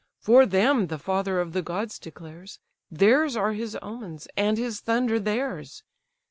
For them the father of the gods declares, Theirs are his omens, and his thunder theirs.